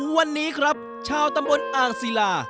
วันนี้ครับชาวตำบลอ่างศิลา